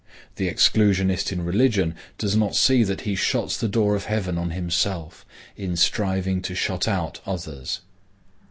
The exclusionist in religion does not see that he shuts the door of heaven on himself, in striving to shut out others.